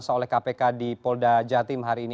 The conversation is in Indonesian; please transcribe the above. seolah kpk di polda jatim hari ini